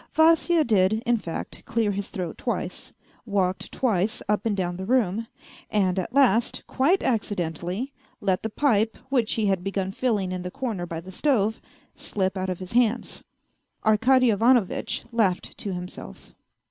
Vasya did, in fact, clear his throat twice, walked twice up and down the room, and at last, quite accidentally, let the pipe, wlu'ch he had begun filling in the corner by the stove, slip out of his hands. Arkady Ivanovitch laughed to himself.